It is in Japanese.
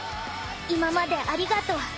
今までありがとう。